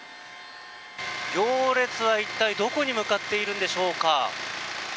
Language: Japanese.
行列は一体どこに向かっているんでしょうか？